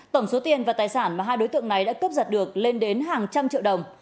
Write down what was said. tổng số tiền và tài sản mà hai đối tượng này đã cướp giật được lên đến hàng trăm triệu đồng